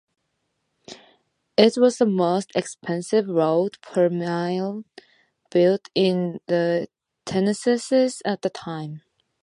It was the most expensive road, per mile, built in Tennessee at the time.